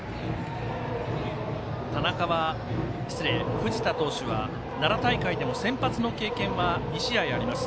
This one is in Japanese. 藤田投手は奈良大会でも先発の経験は２試合あります。